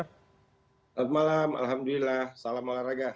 selamat malam alhamdulillah salam olahraga